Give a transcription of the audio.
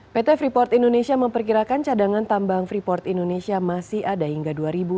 pt freeport indonesia memperkirakan cadangan tambang freeport indonesia masih ada hingga dua ribu dua puluh